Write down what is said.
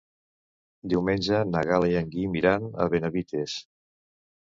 Diumenge na Gal·la i en Guim iran a Benavites.